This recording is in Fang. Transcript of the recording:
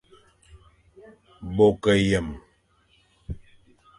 Bo ke yeme,